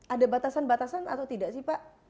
ada batasan batasan atau tidak sih pak